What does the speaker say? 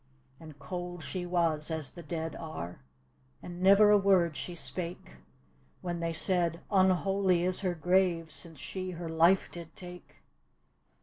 And cold she was as the dead are, And never a word she spake, When they said, " Unholy is her grave, Since she facr life did take."